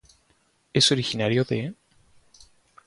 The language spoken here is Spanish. Es originario de